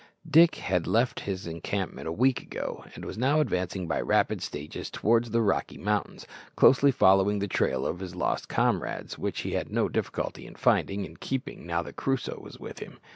Dick had left his encampment a week ago, and was now advancing by rapid stages towards the Rocky Mountains, closely following the trail of his lost comrades, which he had no difficulty in finding and keeping now that Crusoe was with him.